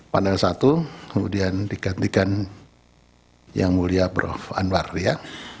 pandang satu kemudian digantikan yang mulia prof anwar ya